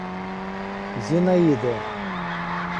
Зинаида